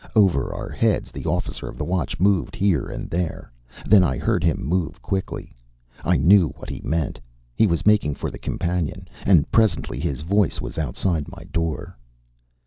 Over our heads the officer of the watch moved here and there. Then I heard him move quickly. I knew what that meant. He was making for the companion; and presently his voice was outside my door.